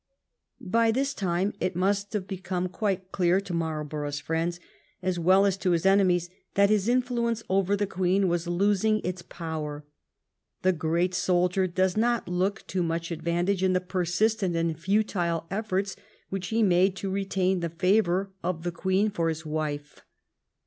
By this time it must have become quite clear to Marlborough's friends, as well as to his enemies, that his influence over the Queen was losing its power. The great soldier does not look to much advantage in the persistent and futile efforts which he made to re tain the favor of the Queen for his wife.